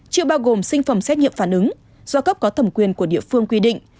chưa bao gồm sinh phẩm xét nghiệm phản ứng do cấp có thẩm quyền của địa phương quy định